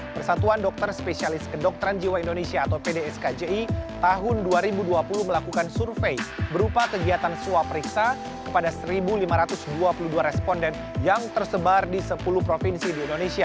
persatuan dokter spesialis kedokteran jiwa indonesia atau pdskji tahun dua ribu dua puluh melakukan survei berupa kegiatan suap periksa kepada satu lima ratus dua puluh dua responden yang tersebar di sepuluh provinsi di indonesia